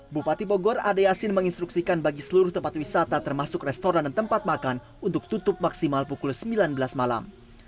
bupati bogor ade yasin menginstruksikan bagi seluruh tempat wisata termasuk restoran dan tempat makan untuk tutup maksimal pukul sembilan belas malam